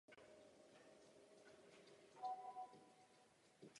Byl rovněž překladatelem z čínštiny a sanskrtu.